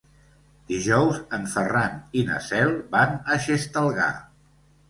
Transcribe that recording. Dijous en Ferran i na Cel van a Xestalgar.